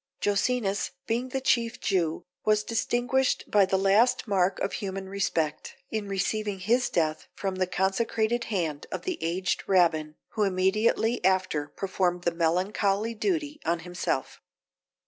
Jocenus being the chief Jew, was distinguished by the last mark of human respect, in receiving his death from the consecrated hand of the aged Rabbin, who immediately after performed the melancholy duty on himself.